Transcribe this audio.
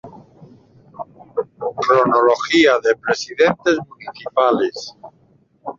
Cronología de Presidentes Municipales